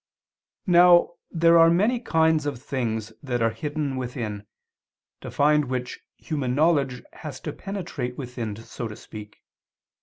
Now there are many kinds of things that are hidden within, to find which human knowledge has to penetrate within so to speak.